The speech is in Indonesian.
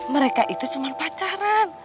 mereka itu cuman pacaran